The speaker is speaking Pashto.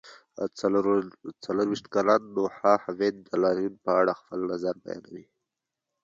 څلرویشت کلن نوحه حامد د لاریون په اړه خپل نظر بیانوي.